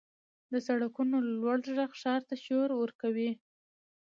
• د سړکونو لوړ ږغ ښار ته شور ورکوي.